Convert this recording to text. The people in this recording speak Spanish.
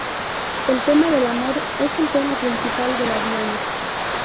El tema del amor es el tema principal de la Diana.